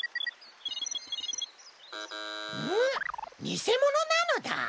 にせものなのだ！